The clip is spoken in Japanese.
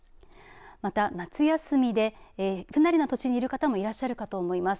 また、夏休みで不慣れな土地にいる方もいらっしゃると思います。